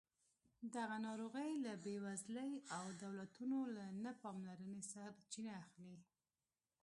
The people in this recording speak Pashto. دغه ناروغۍ له بېوزلۍ او دولتونو له نه پاملرنې سرچینه اخلي.